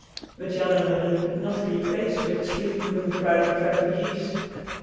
But Jan and Marie could not keep pace with the swift moving crowd of refugees.